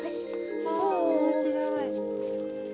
わ面白い。